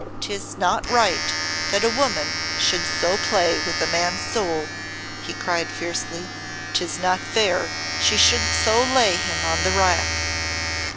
"'Tis not right that a woman should so play with a man's soul," he cried fiercely; "'tis not fair she should so lay him on the rack!"